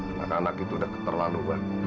anak anak itu udah keterlaluan